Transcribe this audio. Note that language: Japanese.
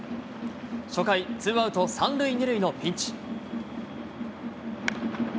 初回、ツーアウト３塁２塁のピンチ。